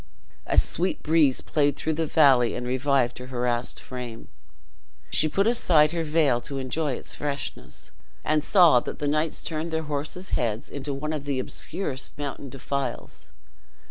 A sweet breeze played through the valley and revived her harassed frame. She put aside her veil to enjoy its freshness, and saw that the knights turned their horses' heads into one of the obscurest mountain defiles.